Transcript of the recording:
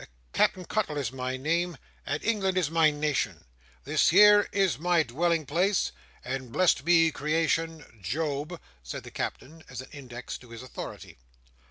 "Cap'en Cuttle is my name, and England is my nation, this here is my dwelling place, and blessed be creation—Job," said the Captain, as an index to his authority.